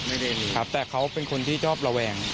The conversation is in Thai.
ไม่ได้มีครับแต่เขาเป็นคนที่ชอบระแวง